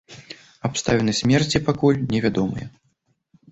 Абставіны смерці пакуль невядомыя.